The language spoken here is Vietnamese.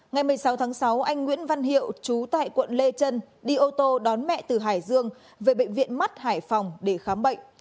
ngày một mươi sáu tháng sáu anh nguyễn văn hiệu chú tại quận lê trân đi ô tô đón mẹ từ hải dương về bệnh viện mắt hải phòng để khám bệnh